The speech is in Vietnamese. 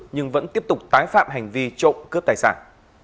nhưng vẫn tiếp tục tái phạm hành vi trộm cướp tài sản